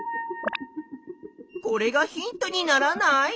これがヒントにならない？